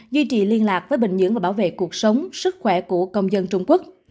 duy trì liên lạc với bệnh nhân và bảo vệ cuộc sống sức khỏe của công dân trung quốc